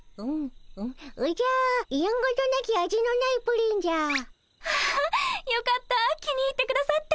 おじゃやんごとなき味のないプリンじゃ。わよかった気に入ってくださって。